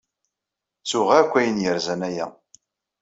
Ttuɣ akk ayen yerzan aya.